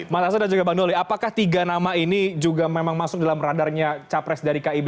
mas aso dan juga bang doli apakah tiga nama ini juga memang masuk dalam radarnya capres dari kib